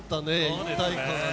一体感がね。